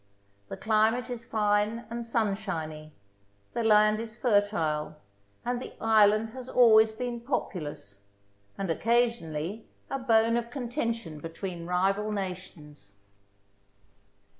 The climate is fine and sunshiny, the land is fertile, and the island has always been populous, and, occasion ally, a bone of contention between rival nations.